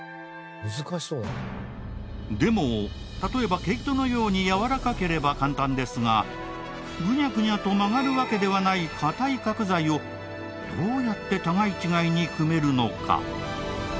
「難しそうだな」でも例えば毛糸のようにやわらかければ簡単ですがグニャグニャと曲がるわけではない硬い角材をどうやって互い違いに組めるのか？